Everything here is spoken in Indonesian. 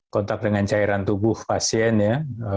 kontak dengan cairan tubuh pasien ya